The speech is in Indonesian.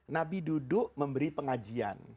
nabi duduk memberi pengajian